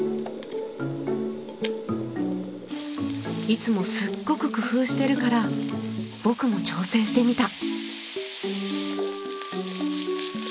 いつもすっごく工夫してるから僕も挑戦してみた。